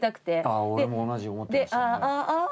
ああ俺も同じ思ってました。